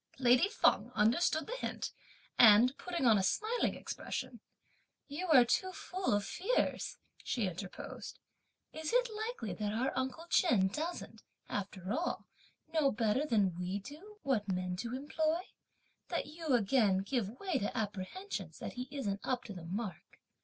Lady Feng understood the hint, and putting on a smiling expression, "You are too full of fears!" she interposed. "Is it likely that our uncle Chen doesn't, after all, know better than we do what men to employ, that you again give way to apprehensions that he isn't up to the mark!